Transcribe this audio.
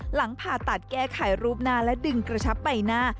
หลังผ่าตัดแก้ไขรูปหน้าและดึงกระชับใบหน้า